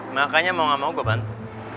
makanya mau gak mau gue bantu